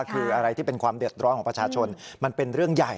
คืออะไรที่เป็นความเดือดร้อนของประชาชนมันเป็นเรื่องใหญ่